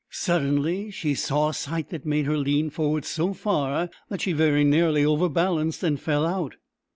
Suddenly she saw a sight that made her lean forward so far that she very nearly overbalanced and fell out.